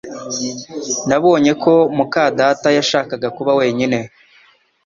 Nabonye ko muka data yashakaga kuba wenyine